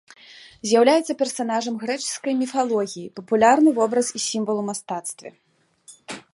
З'яўляецца персанажам грэчаскай міфалогіі, папулярны вобраз і сімвал ў мастацтве.